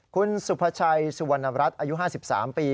คุณสุภาชัยสุวรรณรัฐอายุ๕๓ปี